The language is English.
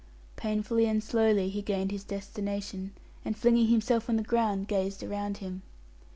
Painfully and slowly, he gained his destination, and flinging himself on the ground, gazed around him.